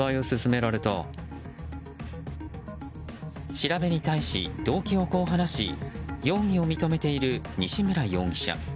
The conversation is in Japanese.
調べに対し、動機をこう話し容疑を認めている西村容疑者。